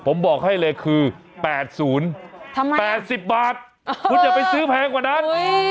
ผมบอกให้เลยคือ๘๐๘๐บาทคุณอย่าไปซื้อแพงกว่านั้น